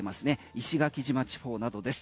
石垣島地方などです。